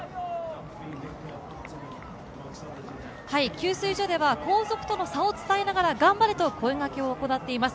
給水所では後続との差を伝えながら頑張れと声がけを行っています